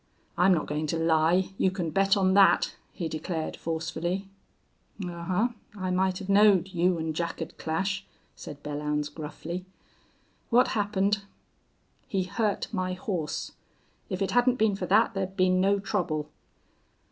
"I'm not going to lie, you can bet on that," he declared, forcefully. "Ahuh! I might hev knowed you an' Jack'd clash," said Belllounds, gruffly. "What happened?" "He hurt my horse. If it hadn't been for that there'd been no trouble."